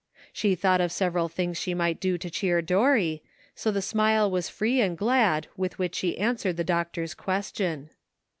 She thought of several things she might do to cheer Dorry, so the smile was free and glad with which she answered the doctor's question.